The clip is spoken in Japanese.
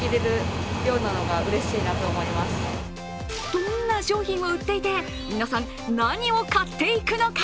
どんな商品を売っていて、皆さん何を買っていくのか。